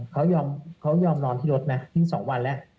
เขายอมนอนที่รถนะครั้งนี้สองวันแล้ว